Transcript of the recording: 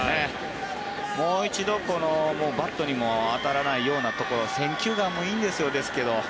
もう一度、このバットにも当たらないようなところ選球眼もいいんですよですけど。